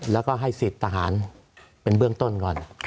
สวัสดีครับทุกคน